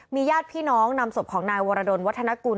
ญาติพี่น้องนำศพของนายวรดลวัฒนกุล